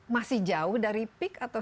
masih jauh dari peak atau